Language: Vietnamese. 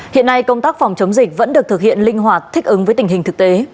hiện nay công tác phòng chống dịch vẫn được thực hiện linh hoạt thích ứng với tình hình thực tế